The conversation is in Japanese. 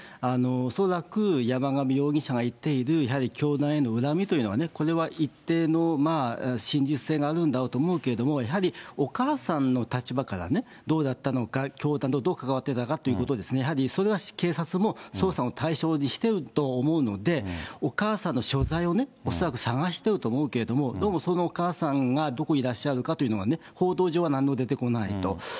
恐らく山上容疑者が言っている、やはり教団への恨みというのは、これは一定の真実性があるんだろうと思うけれども、やはり、お母さんの立場からね、どうだったのか、教団とどう関わってたかっていうことは、やはりそれは警察も捜査の対象にしているとは思うので、お母さんの所在を恐らく捜していると思うけれども、どうも、そのお母さんがどこにいらっしゃるかということは、報道上は何も出てこないと。